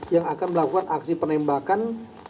yang akan melakukan aksi penembakan